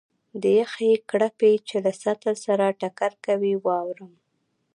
د یخې کړپی چې له سطل سره ټکر کوي، واورم.